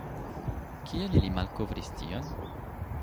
Kiel ili malkovris tion?